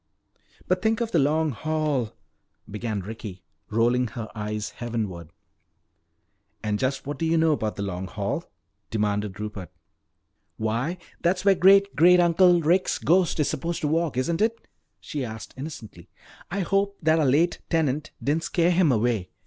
"But think of the Long Hall " began Ricky, rolling her eyes heavenward. "And just what do you know about the Long Hall?" demanded Rupert. "Why, that's where dear Great great uncle Rick's ghost is supposed to walk, isn't it?" she asked innocently. "I hope that our late tenant didn't scare him away.